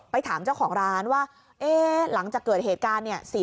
ถามเจ้าของร้านว่าหลังจากเกิดเหตุการณ์เนี่ย